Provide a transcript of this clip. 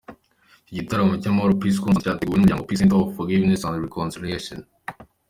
Icyo gitaramo cy’amahoro "Peace Concert " cyateguwe n'umuryango Peace Center of Forgiveness & Reconciliation.